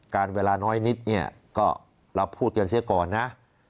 เวลาน้อยนิดเนี่ยก็เราพูดกันเสียก่อนนะ